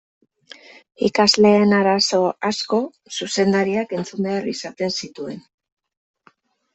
Ikasleen arazo asko zuzendariak entzun behar izaten zituen.